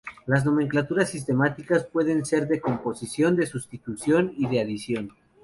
Las nomenclaturas sistemáticas pueden ser de composición, de sustitución y de adición.